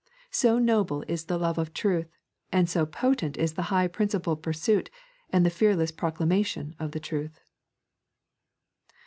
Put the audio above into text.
So noble is the love of truth, and so potent is the high principled pursuit and the fearless proclamation of the truth.